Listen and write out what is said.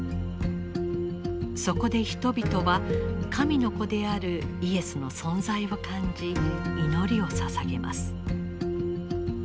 そこで人々は神の子であるイエスの存在を感じ祈りをささげます。